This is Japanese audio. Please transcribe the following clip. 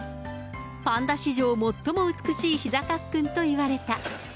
パンダ史上、最も美しいひざかっくんといわれた。